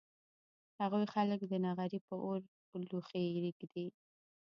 هغوی خلک د نغري په اور لوښي اېږدي